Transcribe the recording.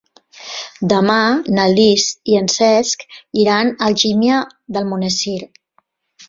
Demà na Lis i en Cesc iran a Algímia d'Almonesir.